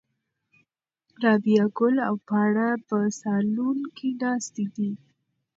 رابعه ګل او پاڼه په صالون کې ناستې دي.